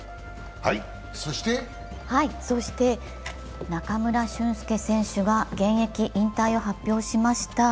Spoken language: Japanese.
そして中村俊輔選手が現役引退を発表しました。